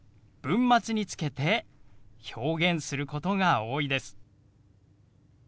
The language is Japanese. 文末につけて表現することが多いです。